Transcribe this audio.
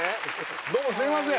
どうもすいません